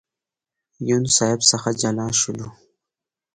یون صاحب څخه جلا شولو.